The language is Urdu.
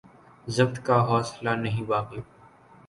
ضبط کا حوصلہ نہیں باقی